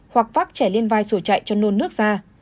hoặc vác trẻ lên vai rồi chạy cho nôn nước ra